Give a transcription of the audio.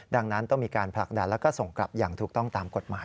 ดังนั้นต้องมีการผลักดันแล้วก็ส่งกลับอย่างถูกต้องตามกฎหมาย